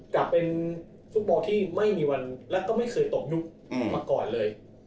กับเป็นฟุตบอลที่ไม่มีวันแล้วก็ไม่เคยตกยุคมาก่อนเลย